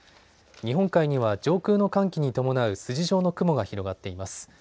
日本海には上空の寒気に伴う筋状の雲が広がっています。